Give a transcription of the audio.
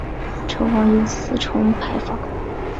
城隍庙有四重牌坊。